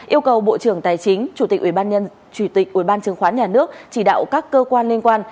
yêu cầu bộ trưởng tài chính chủ tịch ubnd chủ tịch ubnd chứng khoán nhà nước chỉ đạo các cơ quan liên quan